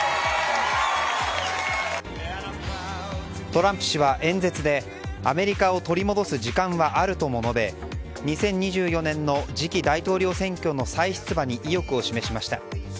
トランプ氏は演説でアメリカを取り戻す時間はあるとも述べ２０２４年の次期大統領選挙の再出馬に意欲を示しました。